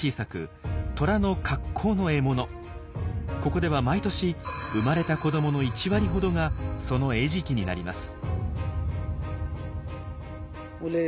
ここでは毎年生まれた子どもの１割ほどがその餌食になります。